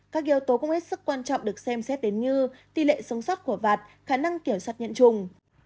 các yếu tố cũng hết sức quan trọng được xem xét đến như tỷ lệ sống sót của vặt khả năng kiểm soát nhận trùng